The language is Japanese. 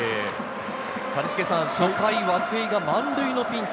谷繁さん、初回、涌井が満塁のピンチ。